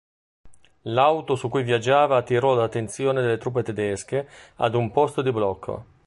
L'auto su cui viaggiava attirò l'attenzione delle truppe tedesche ad un posto di blocco.